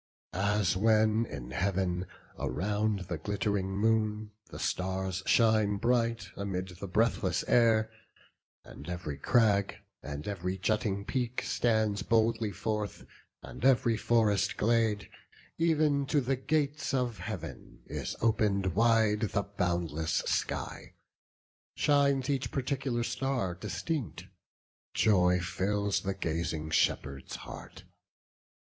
As when in Heav'n, around the glitt'ring moon The stars shine bright amid the breathless air; And ev'ry crag, and ev'ry jutting peak Stands boldly forth, and ev'ry forest glade; Ev'n to the gates of Heav'n is open'd wide The boundless sky; shines each particular star Distinct; joy fills the gazing shepherd's heart.